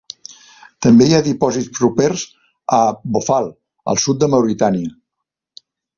També hi ha dipòsits propers a Bofal, al sud de Mauritània.